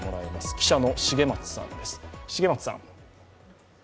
記者の重松さんです。